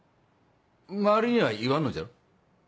周りには言わんのじゃろ？